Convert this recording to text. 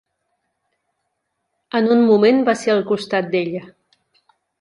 En un moment va ser al costat d'ella.